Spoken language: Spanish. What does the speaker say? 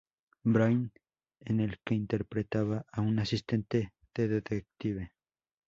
Brain" en el que interpretaba a un asistente de detective.